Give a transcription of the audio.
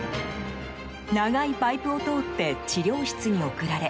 長いパイプを通って治療室に送られ